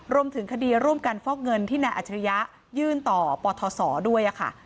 รวมถึงคดีร่วมกันฟอกเงินที่นายอัจฉริยะยื่นต่อปทศด้วยค่ะ